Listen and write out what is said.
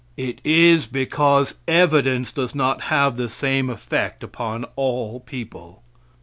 It is because evidence does not have the same effect upon all people.